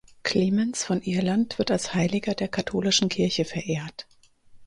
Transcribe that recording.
Clemens von Irland wird als Heiliger der Katholischen Kirche verehrt.